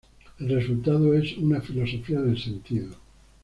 El resultado es una Filosofía del sentido.